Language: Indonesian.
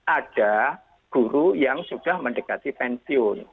ada guru yang sudah mendekati pensiun